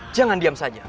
jangan diam saja